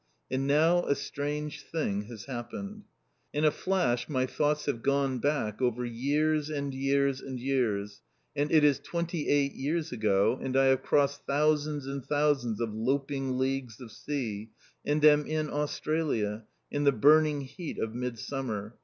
And now a strange thing has happened. In a flash my thoughts have gone back over years and years and years, and it is twenty eight years ago and I have crossed thousands and thousands of "loping leagues of sea," and am in Australia, in the burning heat of mid summer.